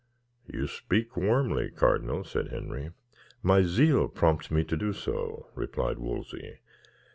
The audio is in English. "You speak warmly, cardinal," said Henry. "My zeal prompts me to do so," replied Wolsey.